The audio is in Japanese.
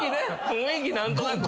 雰囲気何となく。